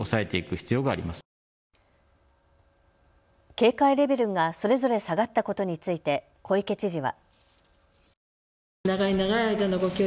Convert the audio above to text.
警戒レベルがそれぞれ下がったことについて小池知事は。